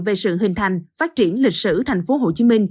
về sự hình thành phát triển lịch sử tp hcm